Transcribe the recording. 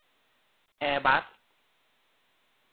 แอร์บัส